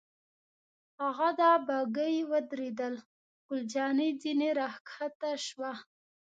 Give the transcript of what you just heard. هاغه ده، بګۍ ودرېدل، ګل جانې ځنې را کښته شوه.